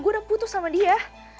gue udah putus sama dia